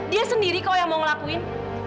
dia sendiri kok yang mau ngelakuin